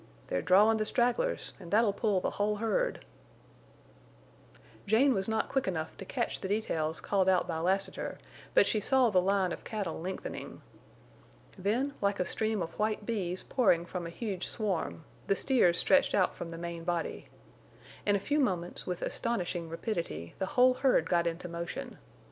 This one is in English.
They're drawin' the stragglers, an' that'll pull the whole herd." Jane was not quick enough to catch the details called out by Lassiter, but she saw the line of cattle lengthening. Then, like a stream of white bees pouring from a huge swarm, the steers stretched out from the main body. In a few moments, with astonishing rapidity, the whole herd got into motion.